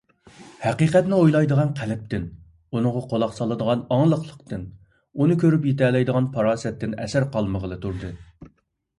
ھەقىقەتنى ئويلايدىغان قەلبتىن، ئۇنىڭغا قۇلاق سالىدىغان ئاڭلىقلىقتىن، ئۇنى كۆرۈپ يېتەلەيدىغان پاراسەتتىن ئەسەر قالمىغىلى تۇردى.